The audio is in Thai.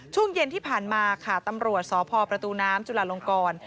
ช่วงเย็นที่ผ่านมาค่ะตำรวจสพประตูน้ำจุลาลงกร